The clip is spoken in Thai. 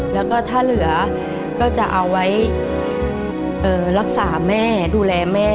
แล้วก็ถ้าเหลือก็จะเอาไว้รักษาแม่ดูแลแม่